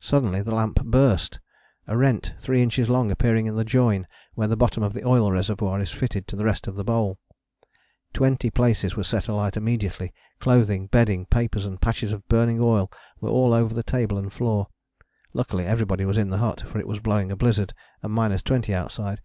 Suddenly the lamp burst, a rent three inches long appearing in the join where the bottom of the oil reservoir is fitted to the rest of the bowl. Twenty places were alight immediately, clothing, bedding, papers and patches of burning oil were all over the table and floor. Luckily everybody was in the hut, for it was blowing a blizzard and minus twenty outside.